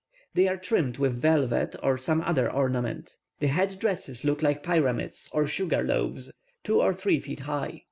They are trimmed with velvet or some other ornament. The head dresses look like pyramids or sugar loaves, two or three feet high.